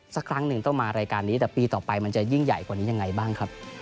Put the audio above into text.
สักครั้งหนึ่งต้องมารายการนี้แต่ปีต่อไปมันจะยิ่งใหญ่กว่านี้ยังไงบ้างครับ